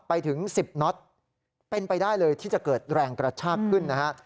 ไปถึง๑๐น็อตเป็นไปได้เลยที่จะเกิดแรงกระชากขึ้นนะฮะ